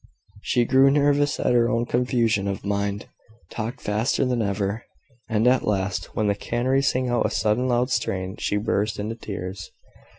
She grew nervous at her own confusion of mind talked faster than ever; and, at last, when the canary sang out a sudden loud strain, she burst into tears.